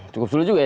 cukup sulit juga ya